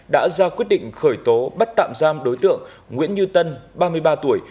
đã ra quyết định khởi tố bắt tạm giam đối tượng nguyễn như tân ba mươi ba tuổi